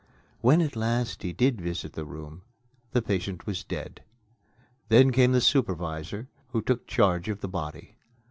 When at last he did visit the room, the patient was dead. Then came the supervisor, who took charge of the body.